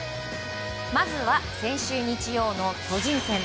まずは、先週日曜の巨人戦。